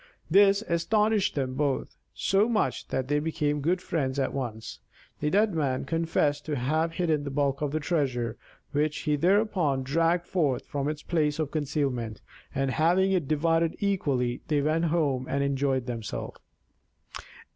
This astonished them both so much that they became good friends at once. The Deaf Man confessed to have hidden the bulk of the treasure, which he thereupon dragged forth from its place of concealment, and having divided it equally, they went home and enjoyed themselves.